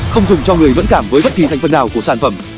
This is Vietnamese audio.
không dùng cho người vẫn cảm với bất kỳ thành phần nào của sản phẩm